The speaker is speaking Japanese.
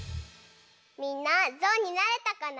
みんなぞうになれたかな？